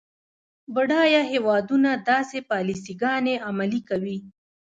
بډایه هیوادونه داسې پالیسي ګانې عملي کوي.